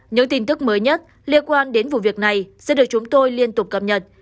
những tin tức mới nhất liên quan đến vụ việc này sẽ được chúng tôi liên tục cập nhật